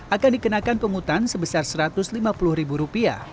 akan dikenakan penghutan sebesar rp satu ratus lima puluh